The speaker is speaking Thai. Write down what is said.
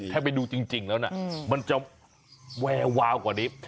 ถ้าไปดูจริงแล้วนะมันจะแวววาวกว่านี้